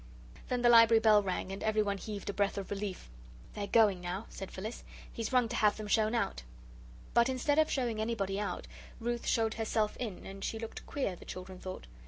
Then the Library bell rang, and everyone heaved a breath of relief. "They're going now," said Phyllis; "he's rung to have them shown out." But instead of showing anybody out, Ruth showed herself in, and she looked queer, the children thought.